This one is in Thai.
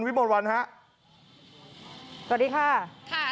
วิมรวรรณฮะสวัสดีค่ะค่ะ